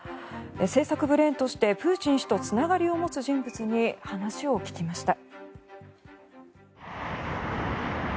政策ブレーンとしてプーチン氏とつながりを持つ人物に話を聞きました。